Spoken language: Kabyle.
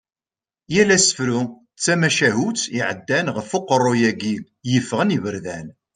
Yal asefru d tamacahutt iɛeddan ɣef uqerru-yagi yeffɣen iberdan.